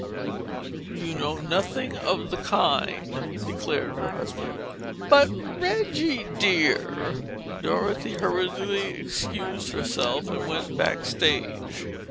"You know nothing of the kind," declared her husband. "But, Reggie dear—" Dorothy hurriedly excused herself and went back stage.